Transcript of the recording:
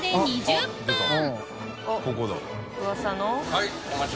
はい。